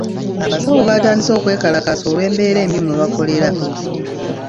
Abasawo baatandise okwekalakaasa olw'embeera embi mwe bakolera.